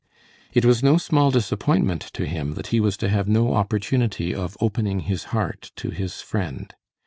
It was no small disappointment to him that he was to have no opportunity of opening his heart to his friend.